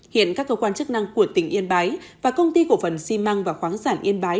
hiện các cơ quan chức năng của tỉnh yên bái và công ty cổ phần xi măng và khoáng sản yên bái